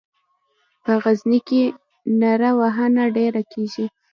په غزني کې نیره وهنه ډېره کیږي.